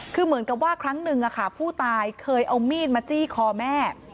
คือเหมือนกับว่าครั้งหนึ่งผู้ตายเคยเอามีดมาจี้คอแม่